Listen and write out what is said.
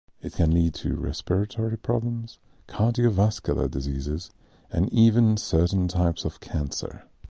It can lead to respiratory problems, cardiovascular diseases, and even certain types of cancer.